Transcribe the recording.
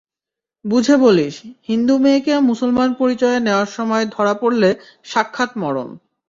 বুঝে বলিস, হিন্দু মেয়েকে মুসলমান পরিচয়ে নেওয়ার সময় ধরা পড়লে সাক্ষাৎ মরণ।